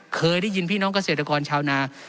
เคยได้ยินพี่น้องเกษตรกรชาวนา